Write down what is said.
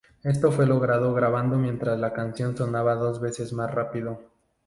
Esto fue logrado grabando mientras la canción sonaba dos veces más rápido.